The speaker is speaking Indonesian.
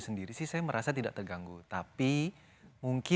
setelah sebaik gokokan ke warteg diedia berubah reasons lebih tinggi